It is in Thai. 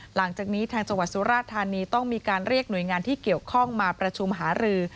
หลังจากนี้ทางจังหวัดสุราธานีต้องมีการเรียกหน่วยงานที่เกี่ยวข้องมาประชุมหารือ